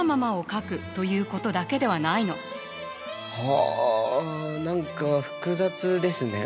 あ何か複雑ですね。